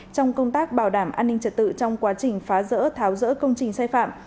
trong công tác bảo đảm an ninh trật tự trong quá trình phá rỡ tháo rỡ công trình sai phạm